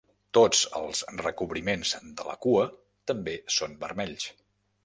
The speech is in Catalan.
Tots els recobriments de la cua també són vermells.